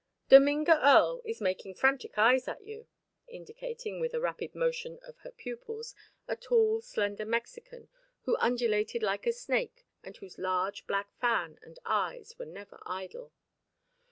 "Dominga Earle is making frantic eyes at you," indicating, with a rapid motion of her pupils, a tall slender Mexican who undulated like a snake and whose large black fan and eyes were never idle.